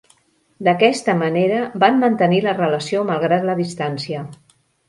D'aquesta manera van mantenir la relació malgrat la distància.